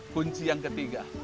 kunci yang ketiga